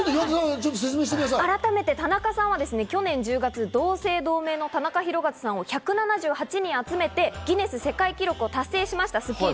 改めて田中さんは去年１０月、同姓同名のタナカヒロカズさんを１７８人集めてギネス世界記録を達成しました。